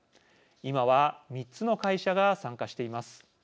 今は、３つの会社が参加しています。